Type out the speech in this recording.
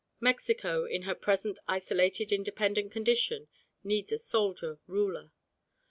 Mexico in her present isolated independent condition needs a soldier ruler.